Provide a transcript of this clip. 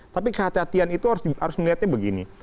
tapi kehatian kehatian itu harus melihatnya begini